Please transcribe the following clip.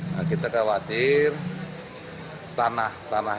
nah kita khawatir tanah